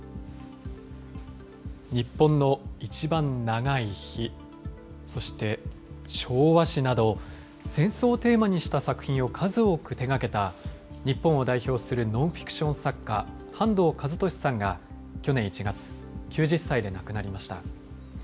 日本のいちばん長い日、そして、昭和史など、戦争をテーマにした作品を数多く手がけた、日本を代表するノンフィクション作家、半藤一利さんが、去年１月、９０歳で亡くなりました。